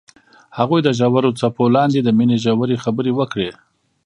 هغوی د ژور څپو لاندې د مینې ژورې خبرې وکړې.